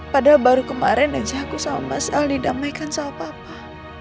padahal baru kemarin aja aku sama mas al didamaikan sama papa